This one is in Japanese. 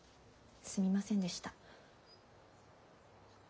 すみませんでした。